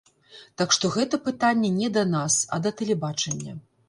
Так што гэта пытанне не да нас, а да тэлебачання.